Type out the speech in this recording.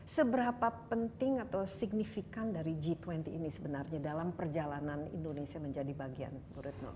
seberapa penting atau signifikan dari g dua puluh ini sebenarnya dalam perjalanan indonesia menjadi bagian bu retno